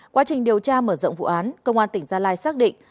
quá trình điều tra mở rộng vụ án công an tỉnh gia lai xác định